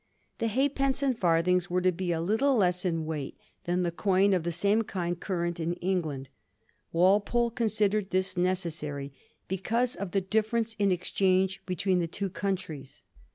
The halfpence and farthings were to be a little less in weight than the coin of the same kind current in England. Walpole considered this necessary because of the difference in exchange between the two countries.